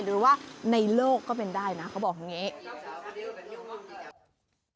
หรือว่าในโลกก็เป็นได้นะเขาบอกอย่างนี้